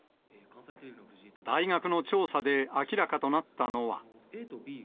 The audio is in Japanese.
大学の調査で明らかとなったのは。